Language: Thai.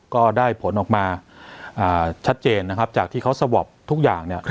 ก็ได้ผลออกมาชัดเจนจากที่เขาสวบทุกอย่าง